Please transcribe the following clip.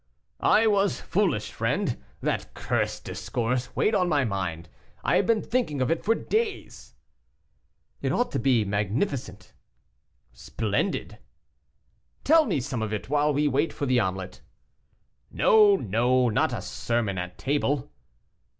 "I was foolish, friend; that cursed discourse weighed on my mind; I have been thinking of it for days." "It ought to be magnificent." "Splendid." "Tell me some of it while we wait for the omelet." "No, no; not a sermon at table."